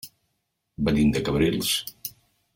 Venim de Cabrils.